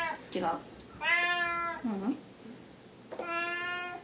ううん？